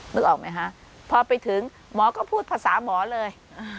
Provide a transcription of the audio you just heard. นึกออกไหมคะพอไปถึงหมอก็พูดภาษาหมอเลย